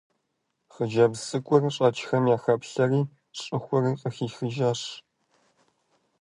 Хъыджэбз цӀыкӀур щэкӀхэм яхэплъэри щӀыхур къыхихащ.